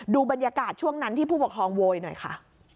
ดูบรรยากาศช่วงนั้นที่ผู้ปกครองโวยหน่อยค่ะ